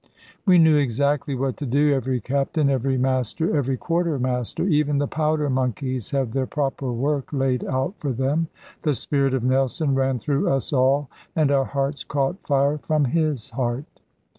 We knew exactly what to do, every Captain, every Master, every quarter master; even the powder monkeys had their proper work laid out for them. The spirit of Nelson ran through us all; and our hearts caught fire from his heart.